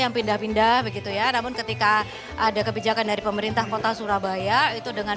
yang pindah pindah begitu ya namun ketika ada kebijakan dari pemerintah kota surabaya itu dengan